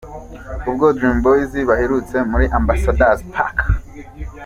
Ubwo Dream Boys baherutse muri Ambassador's Park.